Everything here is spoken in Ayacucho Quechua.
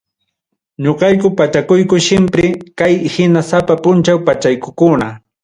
Noqayku pachakuyku siempre kay hina sapa punchaw pachaykukuna.